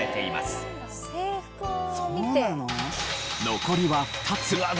残りは２つ。